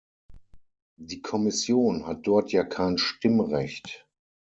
Die Kommission hat dort ja kein Stimmrecht.